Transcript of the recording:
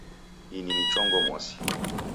Ini ni chongo mosi